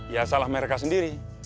ya salah mereka sendiri